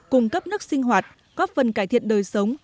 cung cấp nước sinh hoạt góp phần cải thiện đời sống